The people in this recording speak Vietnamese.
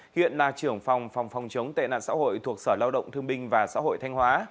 hiện là trưởng phòng phòng chống tệ nạn xã hội thuộc sở lao động thương binh và xã hội thanh hóa